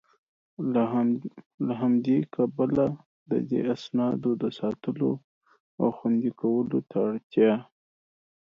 له همدي کبله د دې اسنادو د ساتلو او خوندي کولو ته اړتيا